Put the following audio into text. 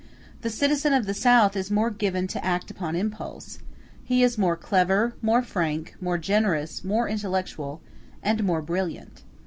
The citizen of the South is more given to act upon impulse; he is more clever, more frank, more generous, more intellectual, and more brilliant.